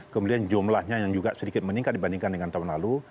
kemudian jumlahnya yang juga sedikit meningkat dibandingkan dengan tahun lalu